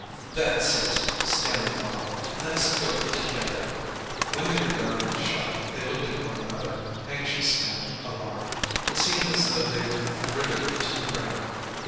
"That's it," stammered Laurent, "let's go together." When they were down in the shop they looked at one another, anxious and alarmed. It seemed as though they were riveted to the ground.